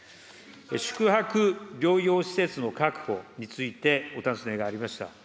宿泊療養施設の確保についてお尋ねがありました。